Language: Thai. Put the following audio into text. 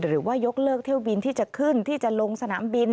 หรือว่ายกเลิกเที่ยวบินที่จะขึ้นที่จะลงสนามบิน